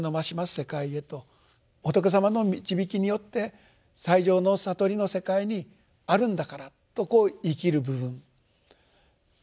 世界へと仏様の導きによって最上の悟りの世界にあるんだからとこう言い切る部分。